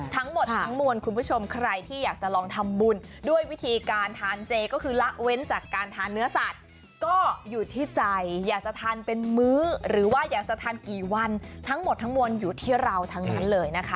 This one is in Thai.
ทั้งหมดทั้งมวลคุณผู้ชมใครที่อยากจะลองทำบุญด้วยวิธีการทานเจก็คือละเว้นจากการทานเนื้อสัตว์ก็อยู่ที่ใจอยากจะทานเป็นมื้อหรือว่าอยากจะทานกี่วันทั้งหมดทั้งมวลอยู่ที่เราทั้งนั้นเลยนะคะ